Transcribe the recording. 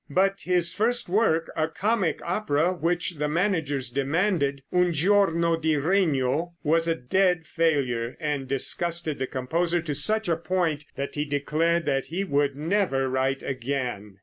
But his first work, a comic opera which the managers demanded, "Un Giorno di Regno," was a dead failure, and disgusted the composer to such a point that he declared that he would never write again.